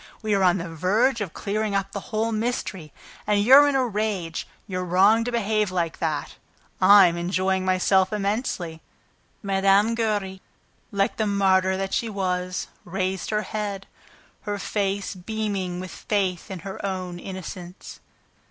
... We are on the verge of clearing up the whole mystery. And you're in a rage! ... You're wrong to behave like that... I'm enjoying myself immensely." Mme. Giry, like the martyr that she was, raised her head, her face beaming with faith in her own innocence.